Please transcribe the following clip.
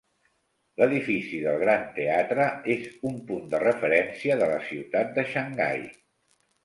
L'edifici del Grand Theatre és un punt de referència de la ciutat de Shanghai.